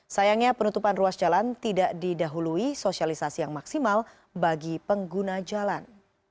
sayangnya penutupan ruas jalan tidak didahului sosialisasi yang maksimal bagi pengguna jalan